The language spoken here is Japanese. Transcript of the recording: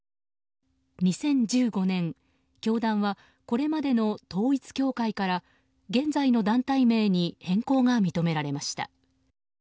２０１５年、教団はこれまでの統一教会から現在の団体名に変更が認められました。